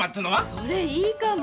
それいいかも。